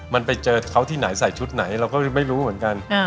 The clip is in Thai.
มันไปเจอเขาที่ไหนใส่ชุดไหนเราก็ไม่รู้เหมือนกัน